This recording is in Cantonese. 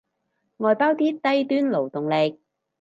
外包啲低端勞動力